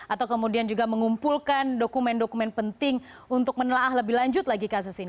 atau kemudian juga mengumpulkan dokumen dokumen penting untuk menelah lebih lanjut lagi kasus ini